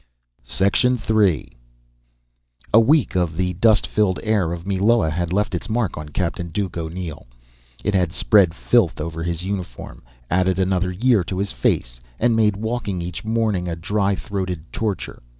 [Illustration: RONDA] III A week of the dust filled air of Meloa had left its mark on Captain Duke O'Neill. It had spread filth over his uniform, added another year to his face, and made waking each morning a dry throated torture.